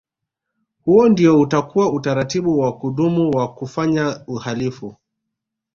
Huo ndio utakuwa utaratibu wa kudumu wa kufanya uhalifu